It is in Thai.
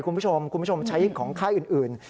คุณผู้ชมใช้ของไข้อื่น